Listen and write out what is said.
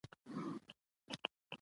ايا ته د تحقيق له وسایلو ګټه اخلې؟